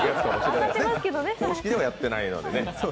公式ではやってないのでね。